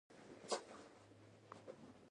افغانستان کې د سنگ مرمر د پرمختګ هڅې روانې دي.